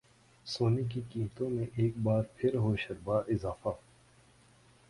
سونے کی قیمتوں میں ایک بار پھر ہوشربا اضافہ